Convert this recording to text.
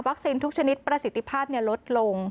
วัคซีนทุกชนิดประสิทธิภาพลดลง